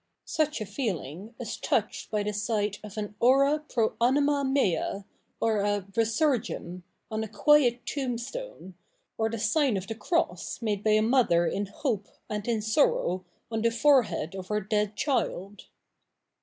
Such a feeling is tou(^4lpjfc^ the sight of an " Ora pro anima mea," or a "jPcfg^g^n," on a quiet tombstone, or the sign of the (^J^Jfef^f^de by a mother in hope and in sorrow on the^i^ri^^^ of her dead child.'